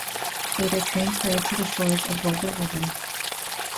Later transferred to the shores of Volga river.